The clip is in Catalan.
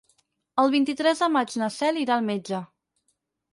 El vint-i-tres de maig na Cel irà al metge.